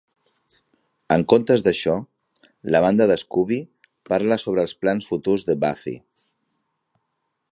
En comptes d'això, la banda de Scooby parla sobre els plans futurs de Buffy.